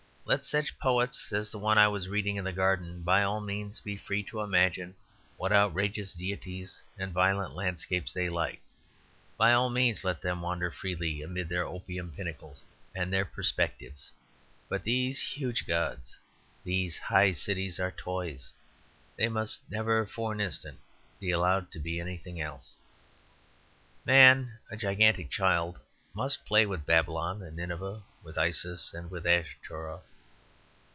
Let such poets as the one I was reading in the garden, by all means, be free to imagine what outrageous deities and violent landscapes they like. By all means let them wander freely amid their opium pinnacles and perspectives. But these huge gods, these high cities, are toys; they must never for an instant be allowed to be anything else. Man, a gigantic child, must play with Babylon and Nineveh, with Isis and with Ashtaroth.